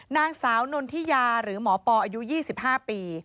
นางสาวนนทิยาหรือหมอปออายุ๒๕ปี